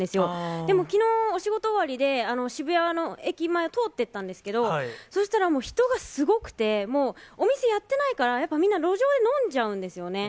でもきのう、お仕事終わりで、渋谷の駅前、通っていったんですけど、そうしたらもう、人がすごくて、もうお店やってないから、やっぱみんな、路上で飲んじゃうんですよね。